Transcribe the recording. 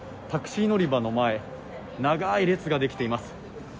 タクシー乗り場の前、長い列ができています。